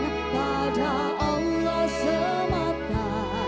serahkan pada allah semata